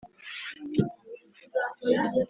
Wayikoraho uyegereye